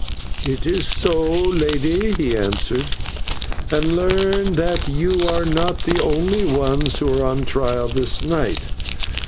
"It is so, lady," he answered, "and learn that you are not the only ones who are on trial this night.